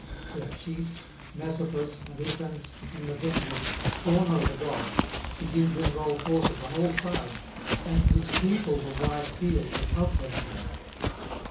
Their chiefs, Messapus, and Ufens, and Mezentius, scorner of the gods, begin to enrol forces on all sides, and dispeople the wide fields of husbandmen.